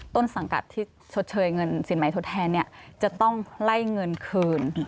ต้นสังกัดที่ชดเชยเงินสินใหม่ทดแทนเนี่ยจะต้องไล่เงินคืน